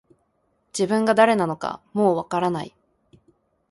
自分が誰なのかもう分からない